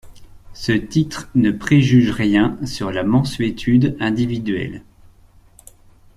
Ce titre ne préjuge rien sur la mansuétude individuelle.